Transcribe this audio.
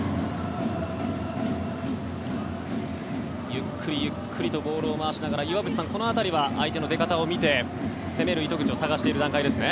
ゆっくりゆっくりとボールを回しながら岩渕さん、この辺りは相手の出方を見て攻める糸口を探している段階ですね。